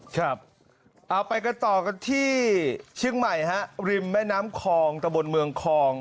ครับเอาไปกันต่อกันที่เชียงใหม่ฮะริมแม่น้ำคลองตะบนเมืองคอง